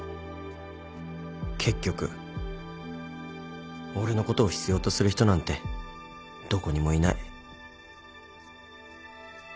結局俺のことを必要とする人なんてどこにもいない。